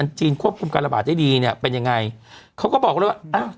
จีนควบคุมการระบาดได้ดีเนี่ยเป็นยังไงเขาก็บอกเลยว่าอ้าว